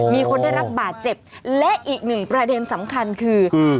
มีคนได้รับบาดเจ็บและอีกหนึ่งประเด็นสำคัญคือ